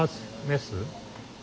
メス。